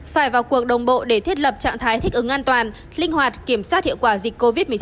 phải vào cuộc đồng bộ để thiết lập trạng thái thích ứng an toàn linh hoạt kiểm soát hiệu quả dịch covid một mươi chín